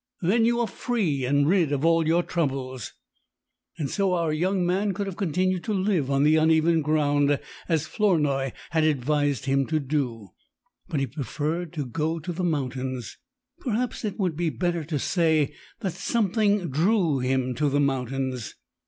Then you are free and rid of all your troubles!' So our young man could have continued to live on the even ground, as Flournoy had advised him to do. But he preferred to go to the mountains. Perhaps it would be better to say that something drew him to the mountains.